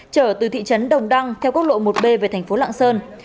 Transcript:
trở từ thị trấn đồng đăng theo quốc lộ một b về thành phố lạng sơn